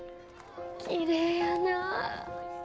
きれいやなあ。